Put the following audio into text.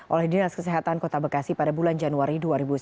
oleh dinas kesehatan kota bekasi pada bulan januari dua ribu sembilan belas